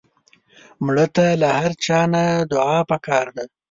مړه ته له هر چا نه دعا پکار ده